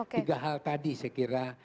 tiga hal tadi sekira